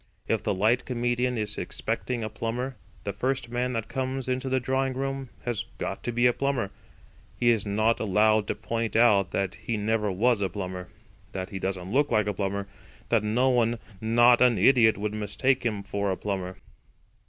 If the light comedian is expecting a plumber, the first man that comes into the drawing room has got to be a plumber. He is not allowed to point out that he never was a plumber; that he doesn't look like a plumber; that no one not an idiot would mistake him for a plumber.